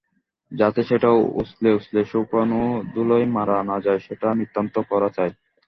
যাতে সেটা উছলে উছলে শুকনো ধুলোয় মারা না যায় সেটা নিতান্তই করা চাই।